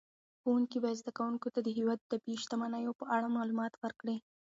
ښوونکي باید زده کوونکو ته د هېواد د طبیعي شتمنیو په اړه معلومات ورکړي.